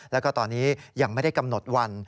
แล้วก็ตอนนี้ยังไม่ได้กำหนดวัน